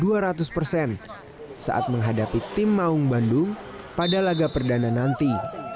ia akan memberi tenaganya dua ratus persen saat menghadapi tim maung bandung pada laga perdana nanti